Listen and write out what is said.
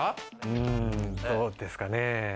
うん、どうですかね。